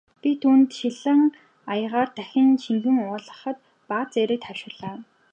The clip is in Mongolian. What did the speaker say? Би түүнд шилэн аягаар дахин шингэн уулгахад бага зэрэг тайвширлаа.